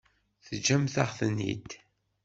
Teǧǧamt-aɣ-ten-id.